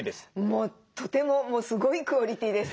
もうとてもすごいクオリティーです。